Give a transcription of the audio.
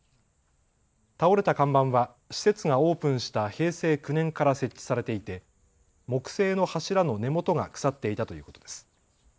倒れた看板は施設がオープンした平成９年から設置されていて木製の柱の根元が腐っていたということです。